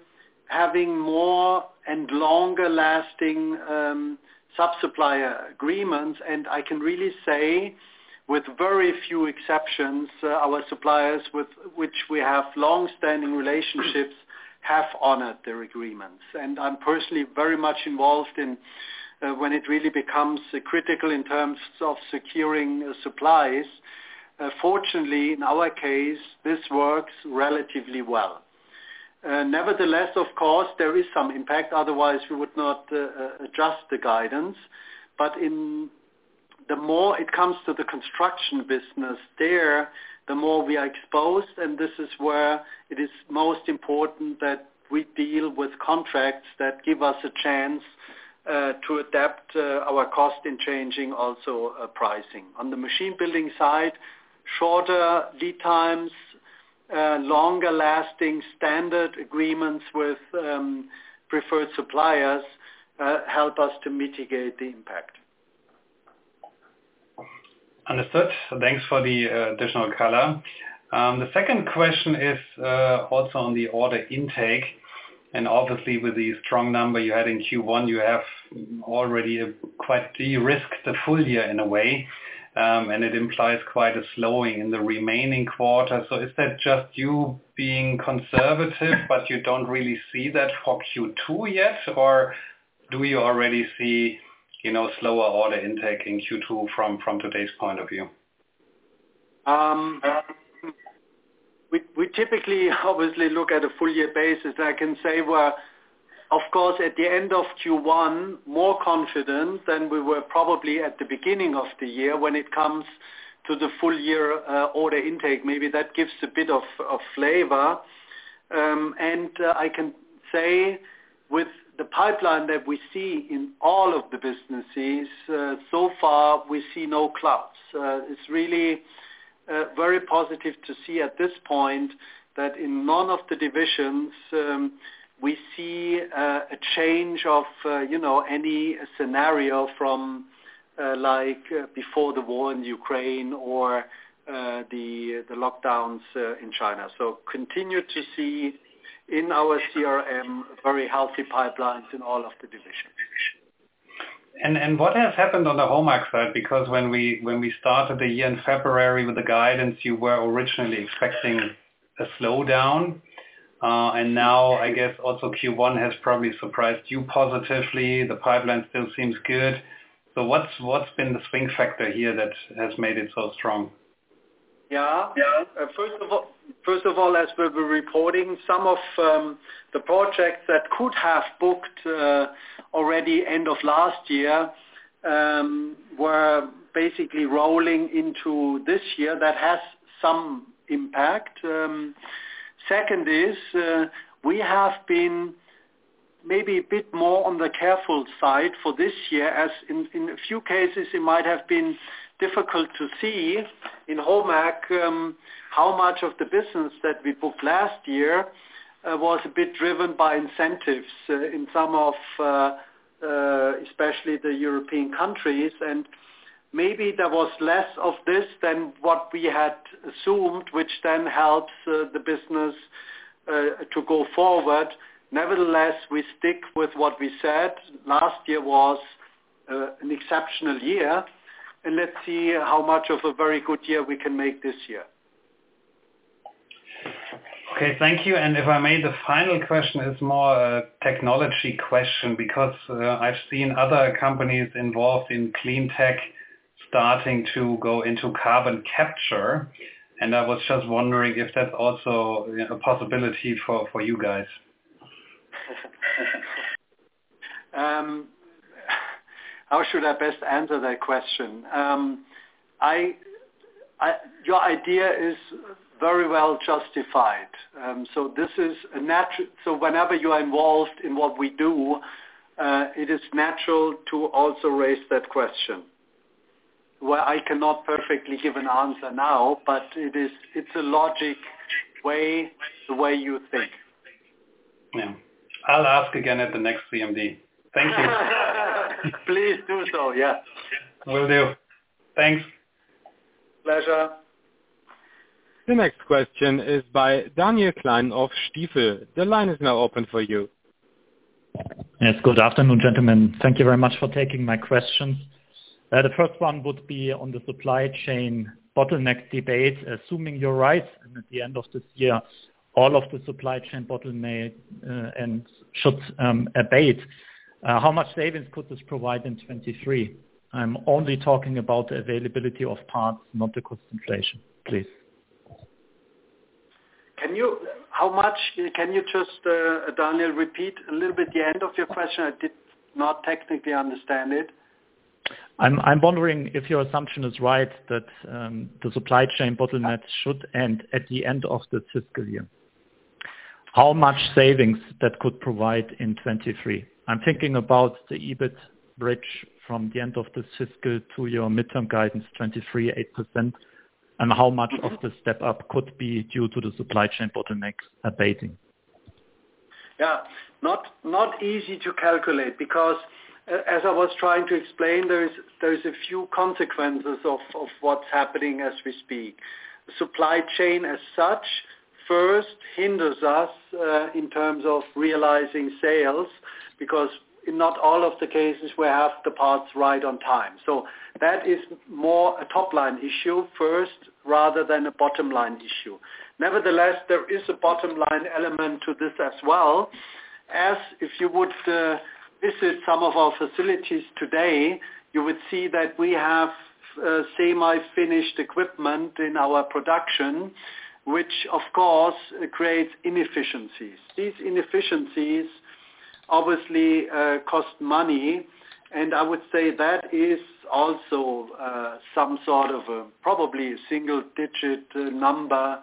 having more and longer-lasting sub-supplier agreements. I can really say with very few exceptions our suppliers with which we have long-standing relationships have honored their agreements. I'm personally very much involved in when it really becomes critical in terms of securing supplies. Fortunately, in our case, this works relatively well. Nevertheless, of course, there is some impact, otherwise we would not adjust the guidance. The more it comes to the construction business there, the more we are exposed, and this is where it is most important that we deal with contracts that give us a chance to adapt our cost in changing also pricing. On the machine building side, shorter lead times, longer-lasting standard agreements with preferred suppliers help us to mitigate the impact. Understood. Thanks for the additional color. The second question is also on the order intake. Obviously, with the strong number you had in Q1, you have already quite de-risked the full year in a way, and it implies quite a slowing in the remaining quarter. Is that just you being conservative, but you don't really see that for Q2 yet? Or do you already see, you know, slower order intake in Q2 from today's point of view? We typically obviously look at a full year basis. I can say we're, of course, at the end of Q1, more confident than we were probably at the beginning of the year when it comes to the full year order intake. Maybe that gives a bit of flavor. I can say with the pipeline that we see in all of the businesses, so far we see no clouds. It's really very positive to see at this point that in none of the divisions we see a change of you know any scenario from like before the war in Ukraine or the lockdowns in China. Continue to see in our CRM very healthy pipelines in all of the divisions. What has happened on the HOMAG side? Because when we started the year in February with the guidance, you were originally expecting a slowdown. Now, I guess, also Q1 has probably surprised you positively. The pipeline still seems good. What's been the swing factor here that has made it so strong? Yeah. First of all, as we were reporting, some of the projects that could have booked already end of last year were basically rolling into this year. That has some impact. Second is, we have been maybe a bit more on the careful side for this year, as in a few cases it might have been difficult to see in HOMAG how much of the business that we booked last year was a bit driven by incentives in some of especially the European countries. Maybe there was less of this than what we had assumed, which then helped the business to go forward. Nevertheless, we stick with what we said. Last year was an exceptional year, and let's see how much of a very good year we can make this year. Okay, thank you. If I may, the final question is more a technology question because I've seen other companies involved in Clean Tech starting to go into carbon capture, and I was just wondering if that's also, you know, a possibility for you guys. How should I best answer that question? Your idea is very well justified. Whenever you are involved in what we do, it is natural to also raise that question. Well, I cannot perfectly give an answer now, but it's a logical way, the way you think. Yeah. I'll ask again at the next CMD. Thank you. Please do so, yeah. Will do. Thanks. Pleasure. The next question is by Daniel Gleim of Stifel. The line is now open for you. Yes. Good afternoon, gentlemen. Thank you very much for taking my questions. The first one would be on the supply chain bottleneck debate. Assuming you're right, and at the end of this year, all of the supply chain bottleneck and should abate, how much savings could this provide in 2023? I'm only talking about the availability of parts, not the cost inflation, please. Can you just, Daniel, repeat a little bit the end of your question? I did not technically understand it. I'm wondering if your assumption is right that the supply chain bottlenecks should end at the end of the fiscal year. How much savings that could provide in 2023? I'm thinking about the EBIT bridge from the end of the fiscal to your midterm guidance, 2023, 8%, and how much of the step-up could be due to the supply chain bottlenecks abating. Yeah. Not easy to calculate because as I was trying to explain, there is a few consequences of what's happening as we speak. Supply chain as such first hinders us in terms of realizing sales because in not all of the cases we have the parts right on time. That is more a top line issue first rather than a bottom line issue. Nevertheless, there is a bottom line element to this as well. As if you would visit some of our facilities today, you would see that we have semi-finished equipment in our production, which of course creates inefficiencies. These inefficiencies obviously cost money, and I would say that is also some sort of a probably single digit number,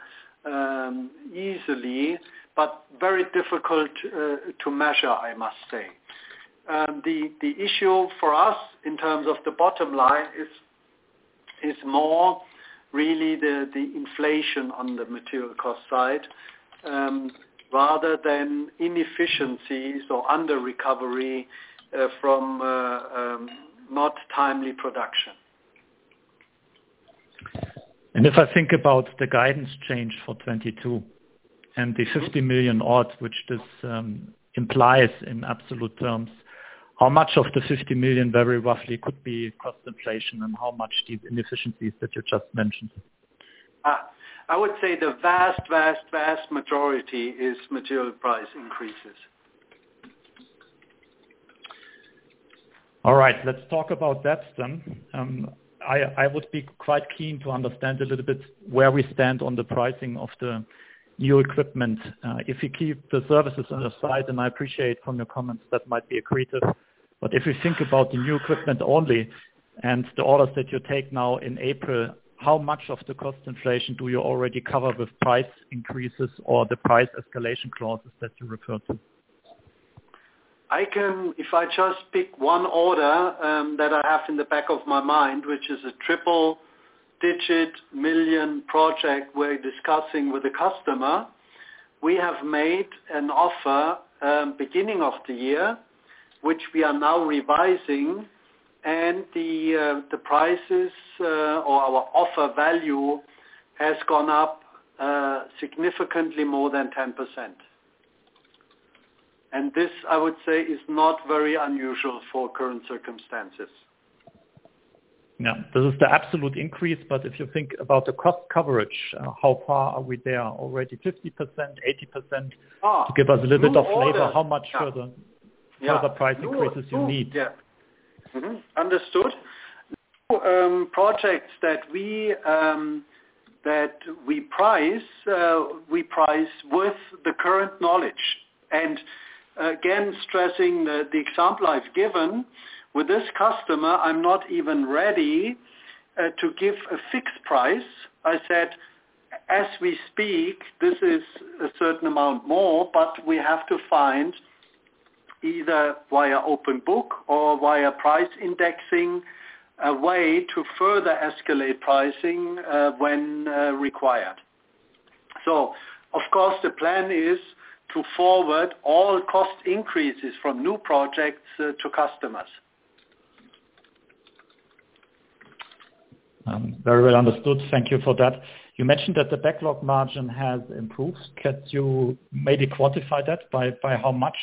easily, but very difficult to measure, I must say. The issue for us in terms of the bottom line is more really the inflation on the material cost side, rather than inefficiencies or under recovery from not timely production. If I think about the guidance change for 2022 and the 50 million, which this implies in absolute terms, how much of the 50 million very roughly could be cost inflation, and how much the inefficiencies that you just mentioned? I would say the vast majority is material price increases. All right, let's talk about that then. I would be quite keen to understand a little bit where we stand on the pricing of the new equipment. If you keep the services on the side, and I appreciate from your comments that might be accretive. If you think about the new equipment only and the orders that you take now in April, how much of the cost inflation do you already cover with price increases or the price escalation clauses that you referred to? If I just pick one order, that I have in the back of my mind, which is a triple-digit million project we're discussing with the customer. We have made an offer beginning of the year, which we are now revising and the prices or our offer value has gone up significantly more than 10%. This, I would say, is not very unusual for current circumstances. Yeah. This is the absolute increase, but if you think about the cost coverage, how far are we there? Already 50%, 80%? To give us a little bit of flavor, how much further price increases you need. Yeah. Mm-hmm. Understood. Projects that we price with the current knowledge. Again stressing the example I've given. With this customer, I'm not even ready to give a fixed price. I said, "As we speak, this is a certain amount more, but we have to find either via open book or via price indexing, a way to further escalate pricing when required." Of course, the plan is to forward all cost increases from new projects to customers. Very well understood. Thank you for that. You mentioned that the backlog margin has improved. Can you maybe quantify that by how much?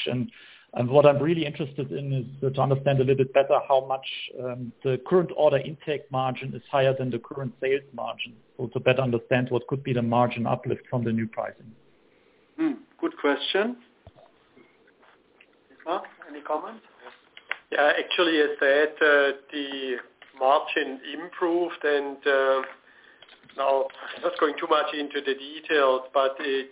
What I'm really interested in is to understand a little bit better how much the current order intake margin is higher than the current sales margin. Also better understand what could be the margin uplift from the new pricing. Good question. Dietmar, any comment? Yeah. Actually, as said, the margin improved and, now I'm not going too much into the details, but it,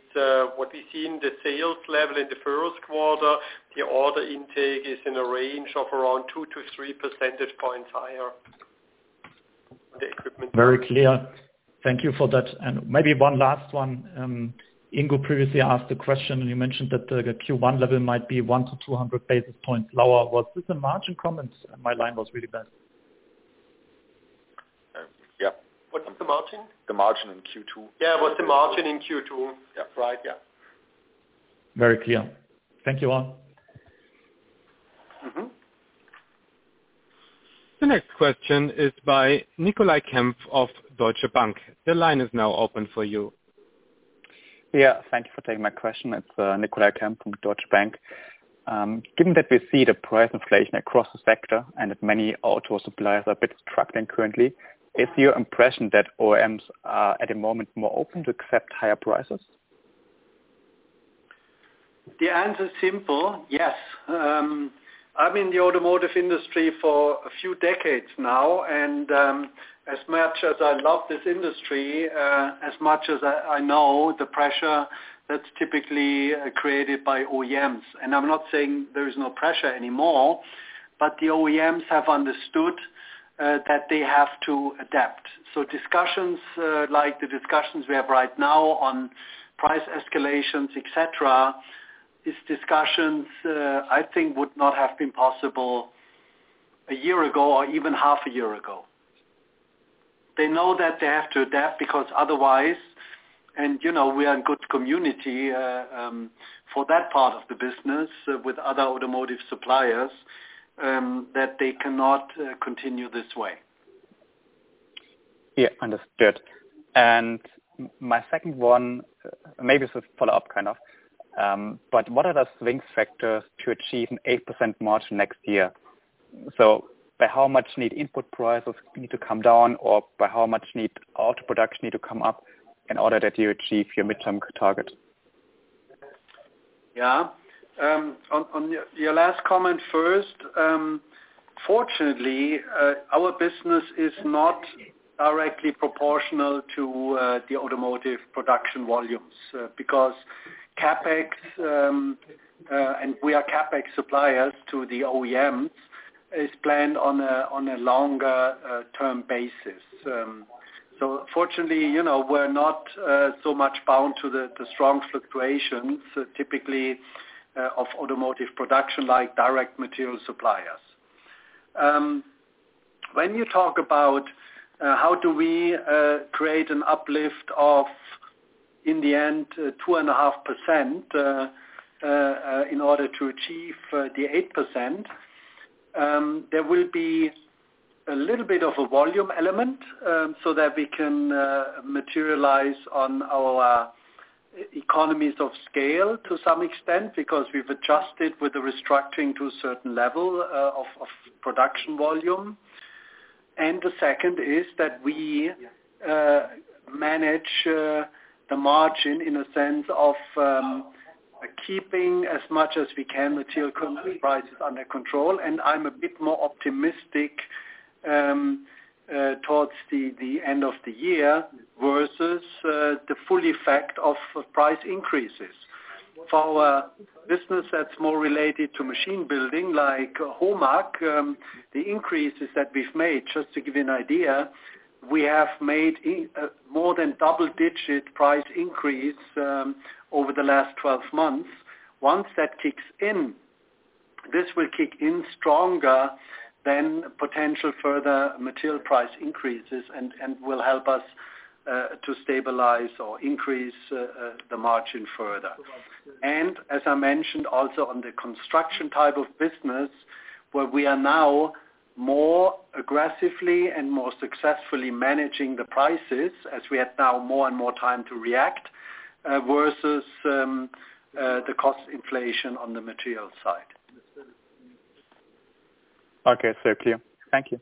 what we see in the sales level in the first quarter, the order intake is in a range of around 2-3 percentage points higher. The equipment- Very clear. Thank you for that. Maybe one last one. Ingo previously asked a question, and you mentioned that the Q1 level might be 100-200 basis points lower. Was this a margin comment? My line was really bad. Yeah. What's the margin? The margin in Q2. Yeah. What's the margin in Q2? Yeah. Right. Yeah. Very clear. Thank you all. Mm-hmm. The next question is by Nicolai Kempf of Deutsche Bank. The line is now open for you. Yeah. Thank you for taking my question. It's Nicolai Kempf from Deutsche Bank. Given that we see the price inflation across the sector and that many auto suppliers are a bit struggling currently, is your impression that OEMs are, at the moment, more open to accept higher prices? The answer is simple. Yes. I'm in the automotive industry for a few decades now, and, as much as I love this industry, as much as I know the pressure that's typically created by OEMs. I'm not saying there is no pressure anymore, but the OEMs have understood that they have to adapt. Discussions like the discussions we have right now on price escalations, et cetera, these discussions I think would not have been possible a year ago or even half a year ago. They know that they have to adapt because otherwise, you know, we are in good company for that part of the business with other automotive suppliers that they cannot continue this way. Yeah. Understood. My second one, maybe it's a follow-up kind of, but what are the swing factors to achieve an 8% margin next year? By how much need input prices to come down or by how much need auto production to come up in order that you achieve your midterm target? Yeah. On your last comment first, fortunately, our business is not directly proportional to the automotive production volumes because CapEx and we are CapEx suppliers to the OEMs is planned on a longer term basis. Fortunately, you know, we're not so much bound to the strong fluctuations typically of automotive production like direct material suppliers. When you talk about how do we create an uplift of, in the end, 2.5% in order to achieve the 8%, there will be a little bit of a volume element so that we can materialize on our economies of scale to some extent because we've adjusted with the restructuring to a certain level of production volume. The second is that we manage the margin in a sense of keeping as much as we can material prices under control, and I'm a bit more optimistic towards the end of the year versus the full effect of price increases. For our business that's more related to machine building like HOMAG, the increases that we've made, just to give you an idea, we have made more than double-digit price increase over the last 12 months. Once that kicks in, this will kick in stronger than potential further material price increases and will help us to stabilize or increase the margin further. As I mentioned also on the construction type of business, where we are now more aggressively and more successfully managing the prices as we have now more and more time to react versus the cost inflation on the material side. Okay. Clear. Thank you.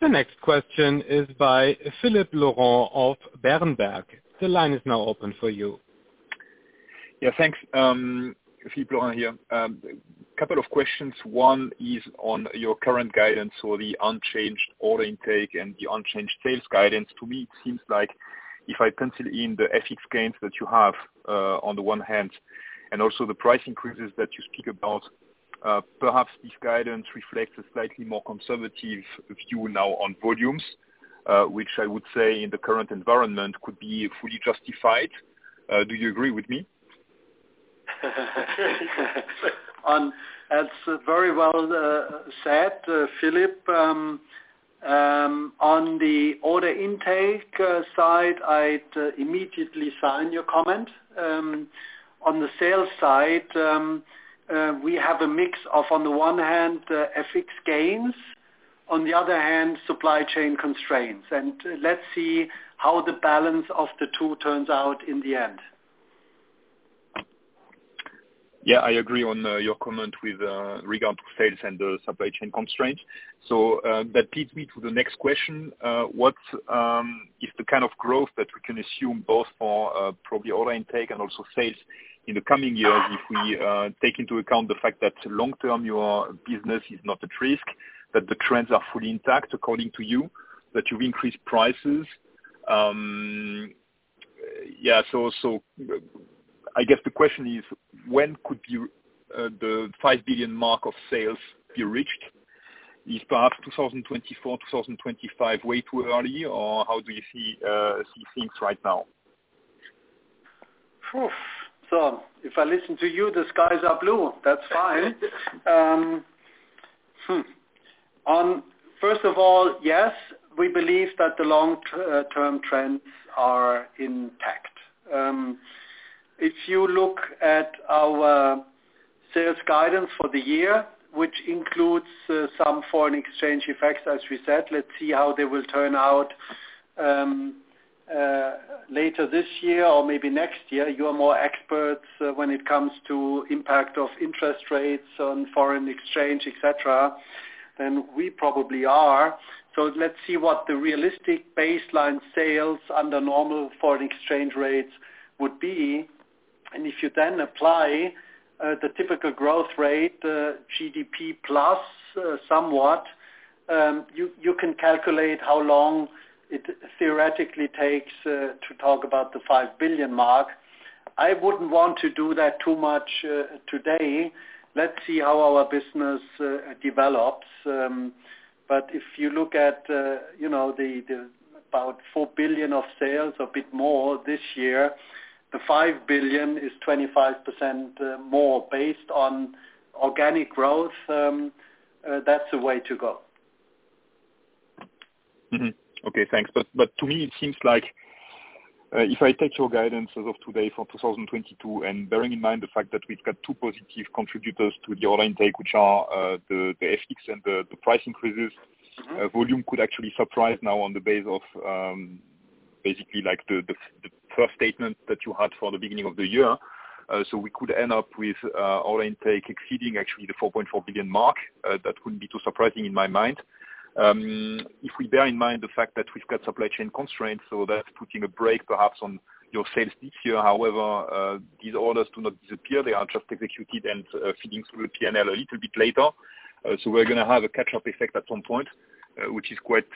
The next question is by Philippe Lorrain of Berenberg. The line is now open for you. Yeah, thanks. Philippe Lorrain here. Couple of questions. One is on your current guidance or the unchanged order intake and the unchanged sales guidance. To me, it seems like if I consider in the FX gains that you have, on the one hand, and also the price increases that you speak about, perhaps this guidance reflects a slightly more conservative view now on volumes, which I would say in the current environment could be fully justified. Do you agree with me? That's very well said, Philippe. On the order intake side, I'd immediately sign your comment. On the sales side, we have a mix of, on the one hand, FX gains, on the other hand, supply chain constraints. Let's see how the balance of the two turns out in the end. Yeah, I agree on your comment with regard to sales and the supply chain constraints. That leads me to the next question. What if the kind of growth that we can assume both for probably order intake and also sales in the coming years, if we take into account the fact that long term your business is not at risk, that the trends are fully intact according to you, that you've increased prices. Yeah, so I guess the question is when could you the 5 billion mark of sales be reached? Is perhaps 2024, 2025 way too early, or how do you see things right now? If I listen to you, the skies are blue. That's fine. First of all, yes, we believe that the long-term trends are intact. If you look at our sales guidance for the year, which includes some foreign exchange effects, as we said, let's see how they will turn out later this year or maybe next year. You are more experts when it comes to impact of interest rates on foreign exchange, et cetera, than we probably are. Let's see what the realistic baseline sales under normal foreign exchange rates would be. If you then apply the typical growth rate, GDP plus somewhat, you can calculate how long it theoretically takes to talk about the 5 billion mark. I wouldn't want to do that too much today. Let's see how our business develops. If you look at, you know, the about 4 billion of sales, a bit more this year, the 5 billion is 25% more based on organic growth. That's the way to go. Mm-hmm. Okay, thanks. To me it seems like if I take your guidance as of today for 2022, and bearing in mind the fact that we've got two positive contributors to the order intake, which are the FX and the price increases. Mm-hmm. Volume could actually surprise now on the basis of the first statement that you had for the beginning of the year. We could end up with our intake exceeding actually the 4.4 billion mark. That wouldn't be too surprising in my mind. If we bear in mind the fact that we've got supply chain constraints, that's putting a brake perhaps on your sales this year. However, these orders do not disappear. They are just executed and feeding through the P&L a little bit later. We're gonna have a catch-up effect at some point, which is quite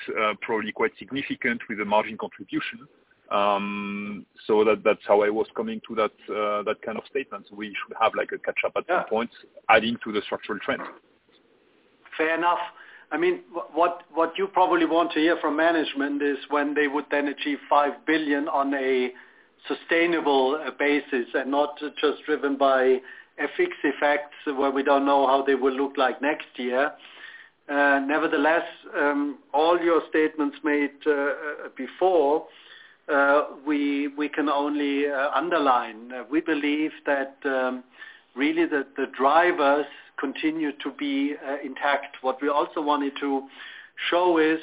probably quite significant with the margin contribution. That's how I was coming to that kind of statement. We should have like a catch-up at some point. Yeah. Adding to the structural trend. Fair enough. I mean, what you probably want to hear from management is when they would then achieve 5 billion on a sustainable basis and not just driven by FX effects where we don't know how they will look like next year. Nevertheless, all your statements made before, we can only underline. We believe that really the drivers continue to be intact. What we also wanted to show is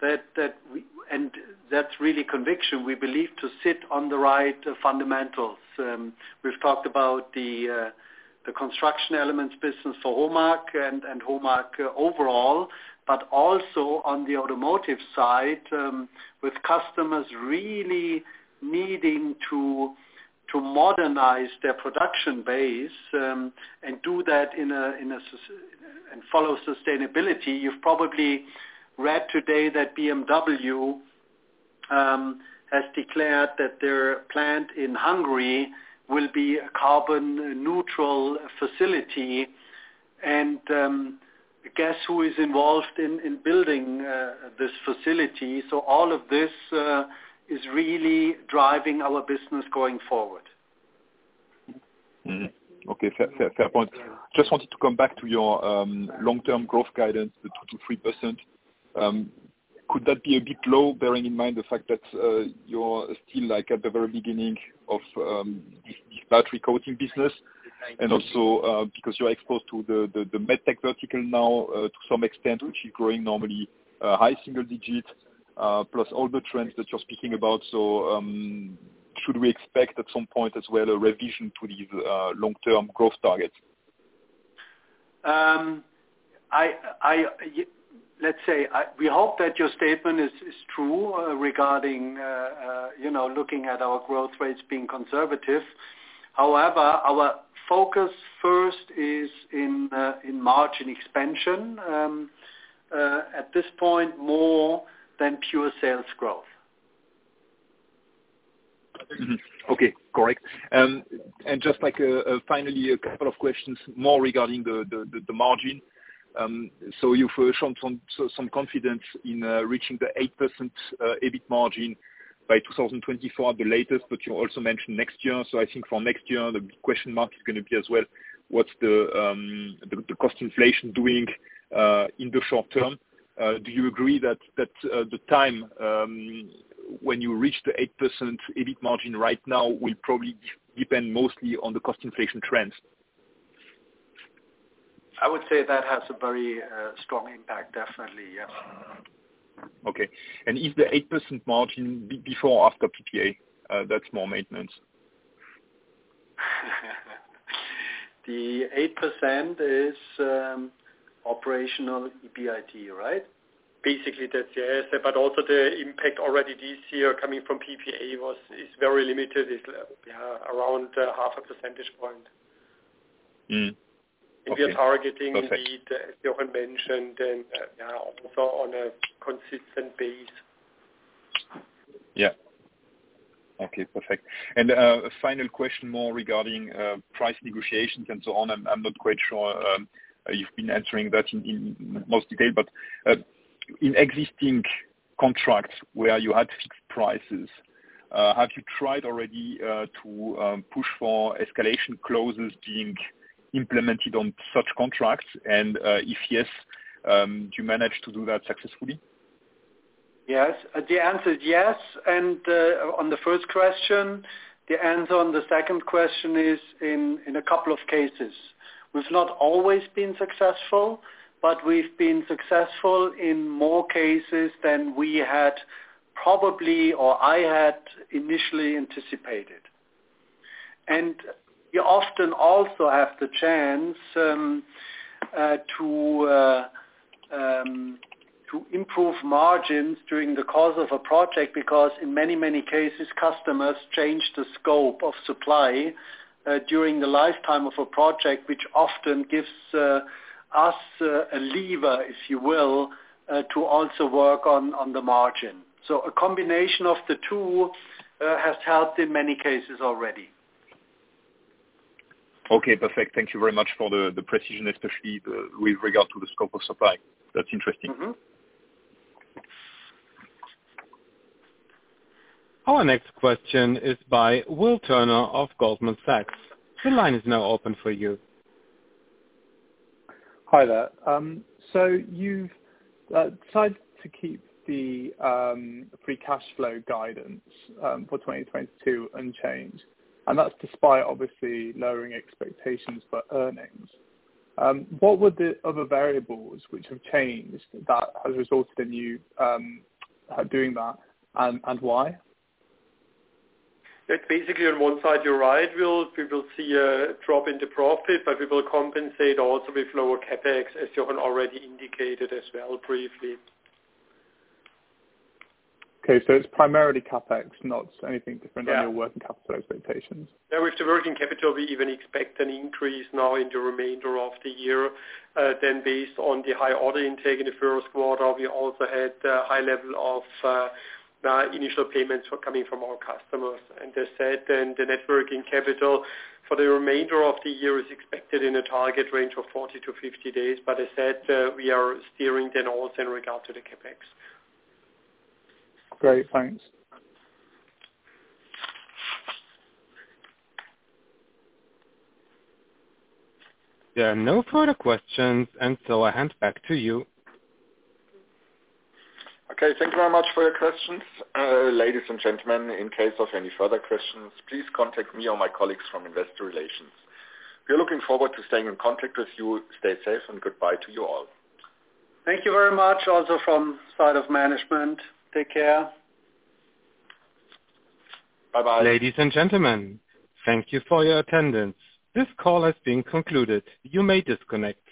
that we and that's really conviction, we believe to sit on the right fundamentals. We've talked about the construction elements business for HOMAG and HOMAG overall. Also on the automotive side, with customers really needing to modernize their production base and do that in a sustainable and follow sustainability. You've probably read today that BMW has declared that their plant in Hungary will be a carbon neutral facility, and guess who is involved in building this facility. All of this is really driving our business going forward. Okay. Fair point. Just wanted to come back to your long-term growth guidance, the 2%-3%. Could that be a bit low bearing in mind the fact that you're still like at the very beginning of this battery coating business? Also, because you are exposed to the Medtech vertical now, to some extent, which is growing normally high single digits, plus all the trends that you're speaking about. Should we expect at some point as well a revision to these long-term growth targets? Let's say, we hope that your statement is true, you know, looking at our growth rates being conservative. However, our focus first is in margin expansion. At this point more than pure sales growth. Mm-hmm. Okay. Correct. Just like, finally, a couple of questions more regarding the margin. You've shown some confidence in reaching the 8% EBIT margin by 2024 the latest, but you also mentioned next year. I think for next year the big question mark is gonna be as well what's the cost inflation doing in the short term? Do you agree that the time when you reach the 8% EBIT margin right now will probably depend mostly on the cost inflation trends? I would say that has a very, strong impact. Definitely, yes. Okay. Is the 8% margin before or after PPA? That's more maintenance. The 8% is operational EBIT, right? Basically that's yes, but also the impact already this year coming from PPA is very limited. It's yeah, around half a percentage point. Okay. If you're targeting Perfect. the need Jochen mentioned and also on a consistent basis. Okay. Perfect. A final question more regarding price negotiations and so on. I'm not quite sure you've been answering that in most detail. In existing contracts where you had fixed prices, have you tried already to push for escalation clauses being implemented on such contracts? If yes, do you manage to do that successfully? Yes. The answer is yes and on the first question. The answer on the second question is in a couple of cases. We've not always been successful, but we've been successful in more cases than we had probably or I had initially anticipated. You often also have the chance to improve margins during the course of a project, because in many, many cases, customers change the scope of supply during the lifetime of a project, which often gives us a lever, if you will, to also work on the margin. A combination of the two has helped in many cases already. Okay. Perfect. Thank you very much for the precision, especially with regard to the scope of supply. That's interesting. Mm-hmm. Our next question is by Will Turner of Goldman Sachs. The line is now open for you. Hi there. You've decided to keep the free cash flow guidance for 2022 unchanged. That's despite obviously lowering expectations for earnings. What would the other variables which have changed that has resulted in you doing that and why? It's basically on one side, you're right, Will. We will see a drop in the profit, but we will compensate also with lower CapEx, as Jochen already indicated as well briefly. Okay. It's primarily CapEx, not anything different. Yeah. on your working capital expectations. Yeah, with the working capital, we even expect an increase now in the remainder of the year. Based on the high order intake in the first quarter, we also had a high level of initial payments coming from our customers. As said, then the net working capital for the remainder of the year is expected in a target range of 40-50 days. As said, we are steering then also in regard to the CapEx. Great. Thanks. There are no further questions, and so I hand back to you. Okay. Thank you very much for your questions. Ladies and gentlemen, in case of any further questions, please contact me or my colleagues from investor relations. We are looking forward to staying in contact with you. Stay safe and goodbye to you all. Thank you very much, also from side of management. Take care. Bye-bye. Ladies and gentlemen, thank you for your attendance. This call has been concluded. You may disconnect.